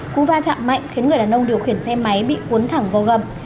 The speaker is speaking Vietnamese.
cú va chạm mạnh khiến người đàn ông điều khiển xe máy bị cuốn thẳng vô gầm